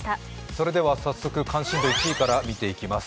それでは早速、関心度１位から見ていきます。